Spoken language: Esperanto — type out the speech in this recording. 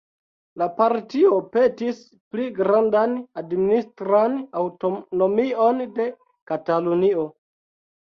La partio petis pli grandan administran aŭtonomion de Katalunio.